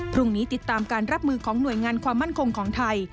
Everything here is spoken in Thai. พรุ่งนี้ติดตามการรับมือของหน่วยงานความมั่นคงของไทย